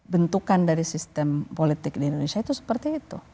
bentukan dari sistem politik di indonesia itu seperti itu